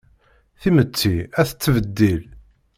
Timetti a tettbeddil